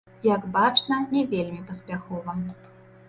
Як бачна, не вельмі паспяхова.